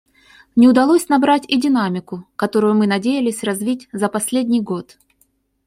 Не удалось набрать и динамику, которую мы надеялись развить за последний год.